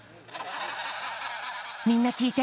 みんなきいて。